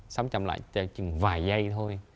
sống chậm lại chừng vài giây thôi